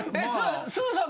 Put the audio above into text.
すずさん